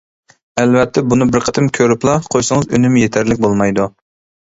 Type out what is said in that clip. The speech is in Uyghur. ئەلۋەتتە بۇنى بىر قېتىم كۆرۈپلا قويسىڭىز ئۈنۈمى يېتەرلىك بولمايدۇ.